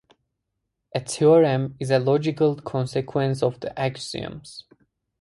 A theorem is a logical consequence of the axioms.